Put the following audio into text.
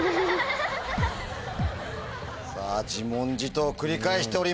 さぁ自問自答を繰り返しております。